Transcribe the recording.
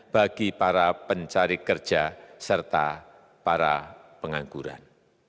bagi para pencari kerja serta para pengangguran